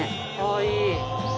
いい。